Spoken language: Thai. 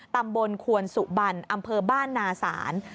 ตำบลควนสุบันอำเภอบ้านนาศาล